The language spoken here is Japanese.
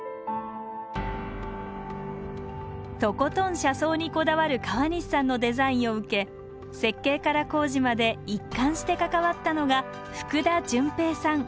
とことん車窓にこだわる川西さんのデザインを受け設計から工事まで一貫して関わったのが福田純平さん。